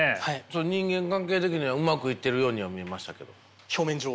人間関係的にはうまくいっているようには見えましたけれど。